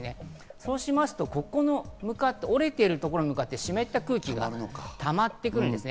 そうしますと折れているところに向かって湿った空気が溜まってくるんですね。